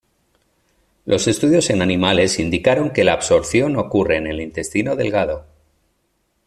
Los estudios en animales indicaron que la absorción ocurre en el intestino delgado.